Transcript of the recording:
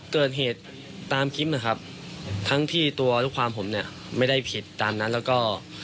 เกิดเหตุตามคลิปนะครับทั้งที่ตัวลูกความผมเนี่ยไม่ได้ผิดตามนั้นแล้วก็